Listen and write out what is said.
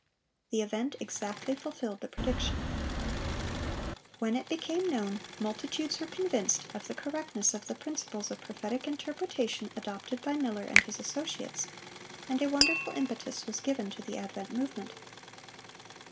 The event exactly fulfilled the prediction.(561) When it became known, multitudes were convinced of the correctness of the principles of prophetic interpretation adopted by Miller and his associates, and a wonderful impetus was given to the Advent Movement.